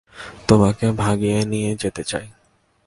তোমাকে ভাগিয়ে নিয়ে যেতে চাই।